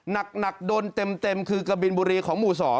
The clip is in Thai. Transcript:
หนักโดนเต็มคือกะบินบุรีของหมู่๒